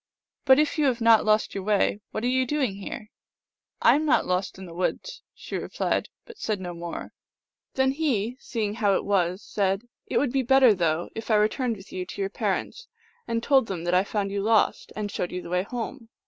" But, if you have not lost your way, what are you doing here ?" "I am not lost in the woods," she replied, but said no more. Then he, seeing how it was, said, " It would be better, though, if I returned with you to your parents, and told them that I found you lost, and showed you the way home."